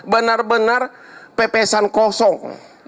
benar benar pepesan kosong